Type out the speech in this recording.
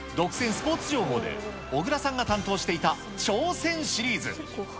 スポーツ情報で、小倉さんが担当していた挑戦シリーズ。